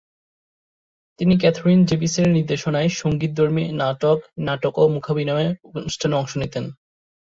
তিনি ক্যাথরিন ডেভিসের নির্দেশনায় সঙ্গীতধর্মী নাটক, নাটক, ও মূকাভিনয় অনুষ্ঠানে অংশ নিতেন।